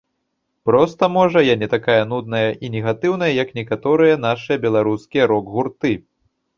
Проста, можа, я не такая нудная і негатыўная, як некаторыя нашыя беларускія рок-гурты.